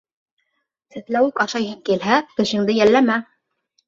Сәтләүек ашайһың килһә, тешеңде йәлләмә.